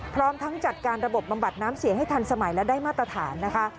พร้อมทั้งจัดการระบบบำบัดน้ำเสียงให้ทันสมัยและได้มาตรฐานนะคะ